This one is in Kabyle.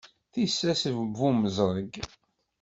Tissas n Bu Mezreg.